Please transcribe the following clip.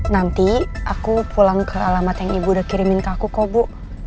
nanti aku pulang ke alamat yang ibu udah kirimin ke aku kok bu